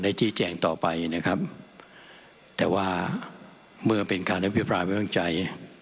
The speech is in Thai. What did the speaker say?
ชี้แจงต่อไปนะครับแต่ว่าเมื่อเป็นการอภิปรายไม่วางใจ